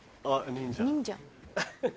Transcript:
忍者。